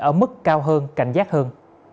ở mức cao hơn cảnh giác hơn